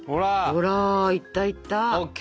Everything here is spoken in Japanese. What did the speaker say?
ほらいったいった！ＯＫ！